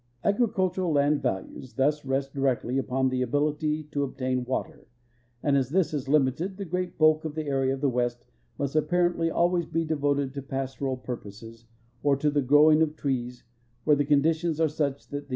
Agricultural land values thus rest directly upon the ability to obtain water, and as this is limited, the great bulk of the area of the West must apparently always be devoted to pastoral purposes or to the growing of trees, where the conditions are such that the.'